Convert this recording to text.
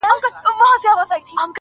• زما له ملا څخه په دې بد راځي.